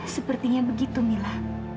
sepertinya begitu mila